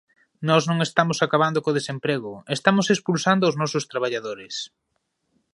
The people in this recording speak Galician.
Nós non estamos acabando co desemprego, estamos expulsando os nosos traballadores.